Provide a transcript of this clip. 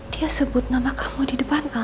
dia sebut nama kamu di depan kamu